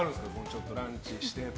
ちょっとランチしてとか。